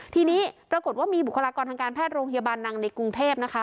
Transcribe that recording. ทีนี้ปรากฏว่ามีบุคลากรทางการแพทย์โรงพยาบาลนางในกรุงเทพนะคะ